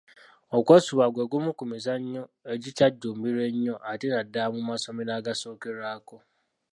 Okwesuuba gwe gumu ku mizannyo egikyajjumbirwa ennyo ate naddala mu masomero agasookerwako.